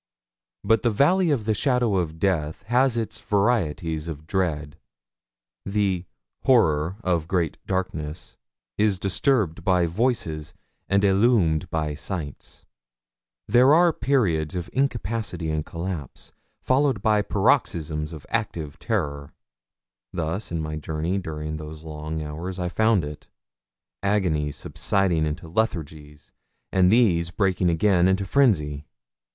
But the valley of the shadow of death has its varieties of dread. The 'horror of great darkness' is disturbed by voices and illumed by sights. There are periods of incapacity and collapse, followed by paroxysms of active terror. Thus in my journey during those long hours I found it agonies subsiding into lethargies, and these breaking again into frenzy.